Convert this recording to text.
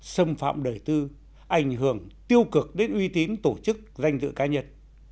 xâm phạm đời tư ảnh hưởng tiêu cực đến uy tín tổ chức danh dự cá nhân